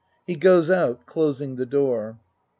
(He goes out closing the door.)